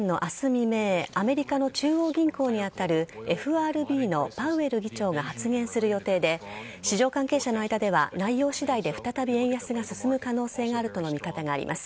未明アメリカの中央銀行に当たるＦＲＢのパウエル議長が発言する予定で市場関係者の間では内容次第で再び円安が進む可能性があるとの見方があります。